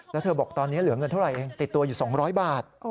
แล้วเธอบอกตอนนี้เหลือเงินเท่าไหร่เองติดตัวอยู่๒๐๐บาท